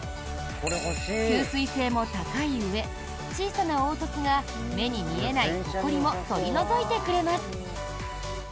吸水性も高いうえ小さな凹凸が目に見えないほこりも取り除いてくれます。